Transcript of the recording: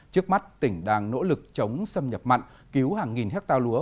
trước mắt tỉnh đang nỗ lực chống xâm nhập mặn cứu hàng nghìn hectare lúa